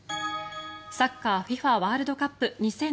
サッカーＦＩＦＡワールドカップ２０２２。